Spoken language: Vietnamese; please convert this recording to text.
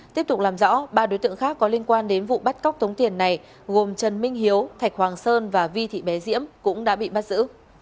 tiếp tục làm rõ ba đối tượng khác có liên quan đến vụ bắt cóc tống tiền này gồm trần minh hiếu thạch hoàng sơn và vi thị bé diễm cũng đã bị bắt giữ